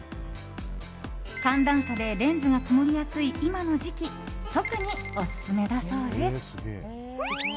寒暖差でレンズが曇りやすい今の時期特にオススメだそうです。